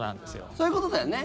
そういうことだよね。